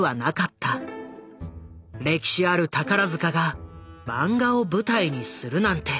歴史ある宝塚がマンガを舞台にするなんて。